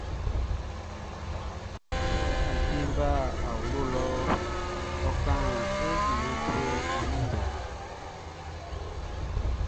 Sɛ n wieʼn ń bá ɔ awlo lɔ ń kán e junmanʼn i ndɛ.